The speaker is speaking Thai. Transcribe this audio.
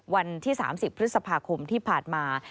วันที่๓๐พฤษภาคมที่ผ่านมา